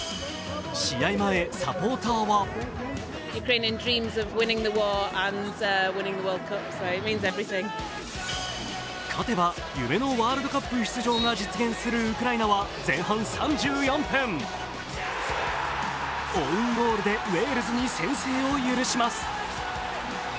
試合前、サポーターは勝てば夢のワールドカップ出場が実現するウクライナは前半３４分オウンゴールでウェールズに先制を許します。